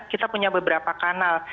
kita punya beberapa kanal